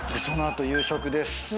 その後夕食です。